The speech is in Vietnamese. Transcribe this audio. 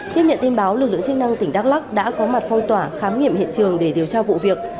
tiếp nhận tin báo lực lượng chức năng tỉnh đắk lắc đã có mặt phong tỏa khám nghiệm hiện trường để điều tra vụ việc